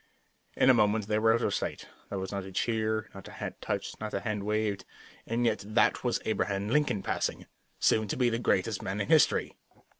In a moment they were out of sight. There was not a cheer, not a hat touched, not a hand waved, and yet that was Abraham Lincoln passing, soon to be the greatest man in history.